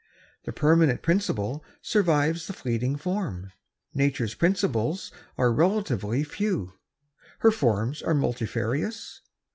The permanent principle survives the fleeting form. Nature's principles are relatively few. Her forms are multifarious.